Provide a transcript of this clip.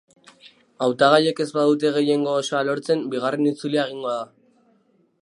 Hautagaiek ez badute gehiengo osoa lortzen, bigarren itzulia egingo da.